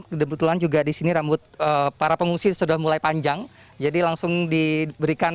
kebetulan juga di sini rambut para pengungsi sudah mulai panjang jadi langsung diberikan